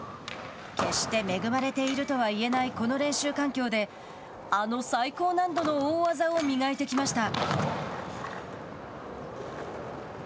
決して恵まれているとはいえないこの練習環境であの最高難度の大技を磨いてきました。